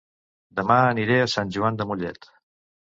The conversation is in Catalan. Dema aniré a Sant Joan de Mollet